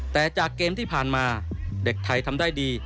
แต่จากเกมที่ผ่านมาเด็กไทยทำได้ดี